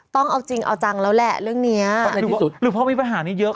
ต้องเอาจริงเอาจังแล้วแหละเรื่องเนี้ยหรือพอมีปัญหานี้เยอะ